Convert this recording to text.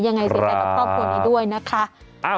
ยังไงสิแต่ก็ต้องควรด้วยนะคะ